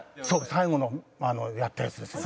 最後のやったやつですよ。